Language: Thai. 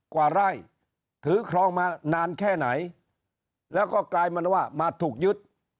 กว่าไร่ถือครองมานานแค่ไหนแล้วก็กลายเป็นว่ามาถูกยึด